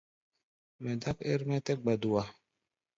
Mɛ dák ɛ́r-mɛ́ tɛ́ gbadua.